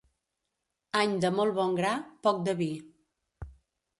Any de molt bon gra, poc de vi.